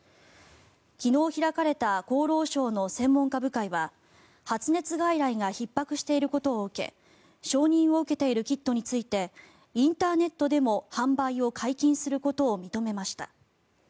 昨日開かれた厚労省の専門家部会は発熱外来がひっ迫していることを受け承認を受けているキットについてインターネットでも販売を解禁することを認めました。